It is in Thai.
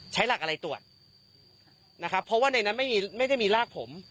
ใช้หลักอะไรตรวจนะครับเพราะว่าในนั้นไม่ได้มีรากผม